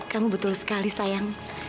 kamu betul sekali sayang